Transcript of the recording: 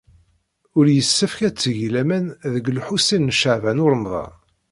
Ur yessefk ad teg laman deg Lḥusin n Caɛban u Ṛemḍan.